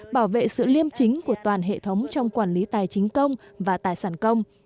bảo vệ sự liêm chính của toàn hệ thống trong quản lý tài chính công và tài sản công